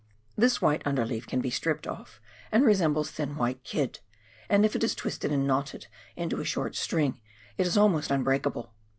This white underleaf can be stripped oS and resembles thin white kid ; and if it is twisted and knotted into a short string, it is almost unbreakable.